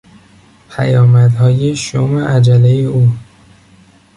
پیامدها شوم عجله او